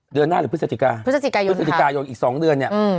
เดือนหน้าหรือพฤศจิกาพฤศจิกายนพฤศจิกายนอีก๒เดือนเนี่ย